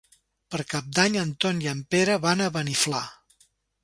Per Cap d'Any en Ton i en Pere van a Beniflà.